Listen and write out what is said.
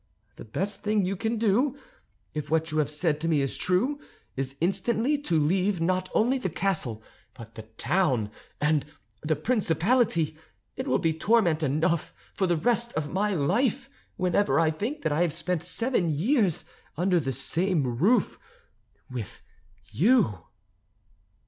The best thing you can do, if what you have said to me is true, is instantly to leave not only the castle, but the town and the principality; it will be torment enough for the rest of my life whenever I think that I have spent seven years under the same roof with you."